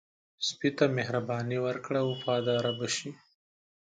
سپي ته مهرباني وکړه، وفاداره شي.